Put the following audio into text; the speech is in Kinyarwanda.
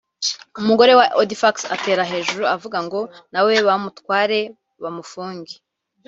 umugore wa Audifax atera hejuru avuga ngo nawe bamutware bamufunge